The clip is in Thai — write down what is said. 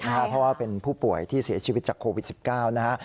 เพราะว่าเป็นผู้ป่วยที่เสียชีวิตจากโควิด๑๙นะฮะ